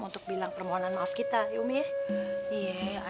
untuk bilang permohonan maaf kita ya umi ya